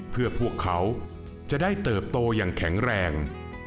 เพื่อพวกเขาจะได้เติบโตอย่างแข็งแรง